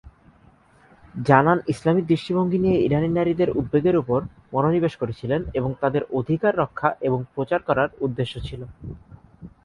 জানান ইসলামিক দৃষ্টিভঙ্গি নিয়ে ইরানী নারীদের উদ্বেগের উপর মনোনিবেশ করেছিলেন এবং তাদের অধিকার রক্ষা এবং প্রচার করার উদ্দেশ্য ছিল।